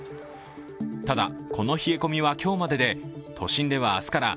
ただ、この冷え込みは今日までで、都心では明日から